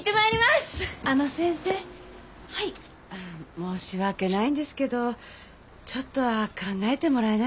申し訳ないんですけどちょっとは考えてもらえないでしょうか？